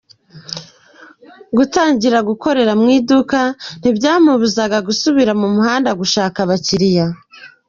Gutangira gukorera mu iduka ntibyamubuzaga gusubira mu muhanda gushaka abakiriya.